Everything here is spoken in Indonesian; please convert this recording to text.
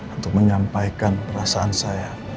untuk menyampaikan perasaan saya